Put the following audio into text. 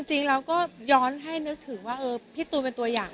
จริงเราก็ย้อนให้นึกถึงว่าพี่ตูนเป็นตัวอย่าง